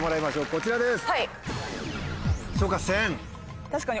こちらです。